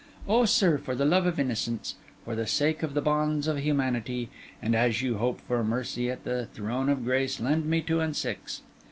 Oh, sir, for the love of innocence, for the sake of the bonds of humanity, and as you hope for mercy at the throne of grace, lend me two and six!